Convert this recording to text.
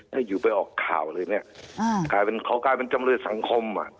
ถ้าอยู่ไปออกข่าวเลยเนี่ยเขากลายเป็นจำเลยสังคม